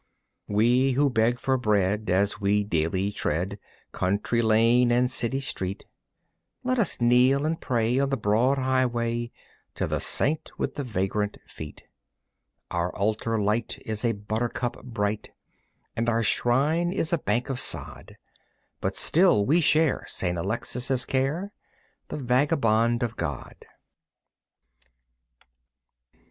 We who beg for bread as we daily tread Country lane and city street, Let us kneel and pray on the broad highway To the saint with the vagrant feet. Our altar light is a buttercup bright, And our shrine is a bank of sod, But still we share St. Alexis' care, The Vagabond of God!